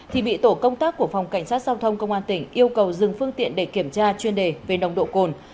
thì bị tổ công tác của phòng cảnh sát giao thông công an tỉnh yêu cầu dừng phương tiện để kiểm tra chuyên đề về nồng độ cồn